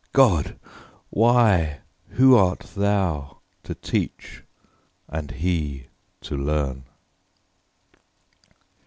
God! Why, who art thou to teach and He to learn?"